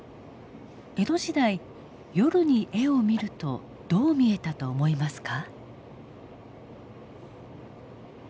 江戸時代夜に絵を見るとどう見えたと思いますか？